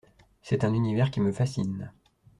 C'est un univers qui me fascine.